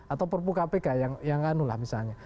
atau perpu kpk yang anu lah misalnya